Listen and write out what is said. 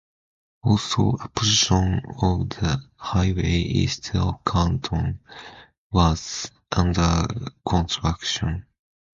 Also, a portion of the highway east of Canton was under construction.